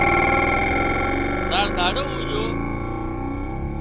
زار ۮاڙو اُوڄو